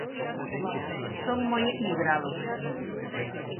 Son moi equilibrados.